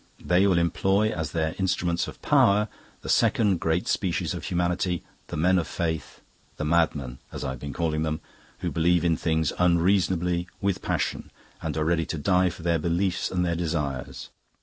They will employ as their instruments of power the second great species of humanity the men of Faith, the Madmen, as I have been calling them, who believe in things unreasonably, with passion, and are ready to die for their beliefs and their desires.